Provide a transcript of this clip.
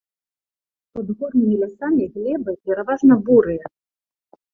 Пад горнымі лясамі глебы пераважна бурыя.